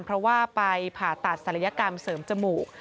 เพราะว่าไปผ่าตัดศัลยกรรมเสริมจมูก